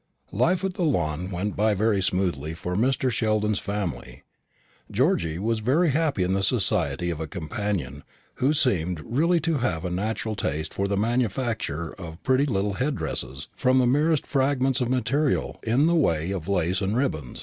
Life at the Lawn went by very smoothly for Mr. Sheldon's family. Georgy was very happy in the society of a companion who seemed really to have a natural taste for the manufacture of pretty little head dresses from the merest fragments of material in the way of lace and ribbon.